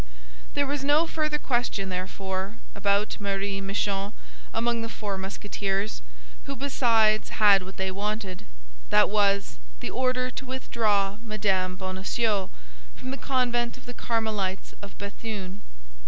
There was no further question, therefore, about Marie Michon among the four Musketeers, who besides had what they wanted: that was, the order to withdraw Mme. Bonacieux from the convent of the Carmelites of Béthune.